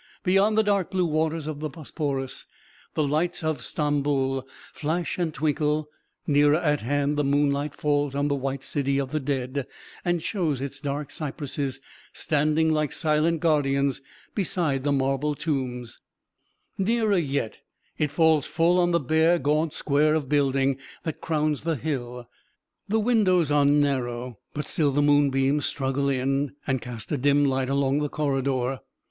Beyond the dark blue waters of the Bosporus, the lights of Stamboul flash and twinkle; nearer at hand, the moonlight falls on the white city of the dead, and shows its dark cypresses standing like silent guardians beside the marble tombs; nearer yet, it falls full on the bare, gaunt square of building that crowns the hill. The windows are narrow, but still the moonbeams struggle in, and cast a dim light along the corridor.